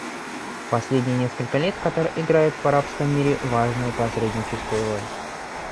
В последние несколько лет Катар играет в арабском мире важную посредническую роль.